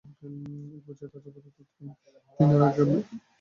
একপর্যায়ে দাহ্য পদার্থ থিনারের ড্রাম বিস্ফোরণ ঘটে আগুনের শিখা গোটা দোকানে ছড়িয়ে পড়ে।